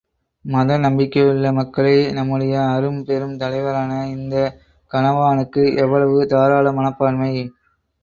மத நம்பிக்கையுள்ள மக்களே நம்முடைய அரும் பெரும் தலைவரான இந்த கனவானுக்கு எவ்வளவு தாராள மனப்பான்மை!